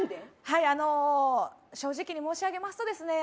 はいあの正直に申し上げますとですね